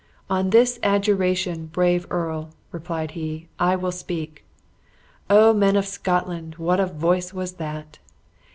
"'On this adjuration, brave earl!' replied he, 'I will speak!' O! men of Scotland, what a voice was that!